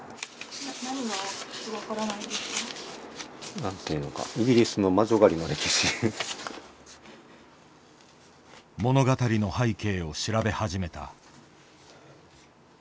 何ていうのか物語の背景を調べ始めた。